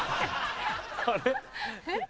あれ？